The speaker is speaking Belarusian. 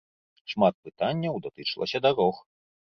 Шмат пытанняў датычылася дарог.